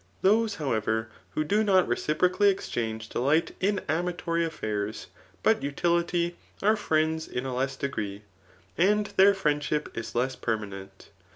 Those, however, who do not reciprocally exchange delight in amatory a^airs, but ud? lity, are friends in a less degree, and their friendship is less permanent.